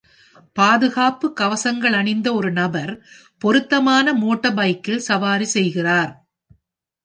பாதுகாப்பு கவசங்களணிந்த ஒரு நபர் பொருத்தமான மோட்டார்பைக்கில் சவாரி செய்கிறார்.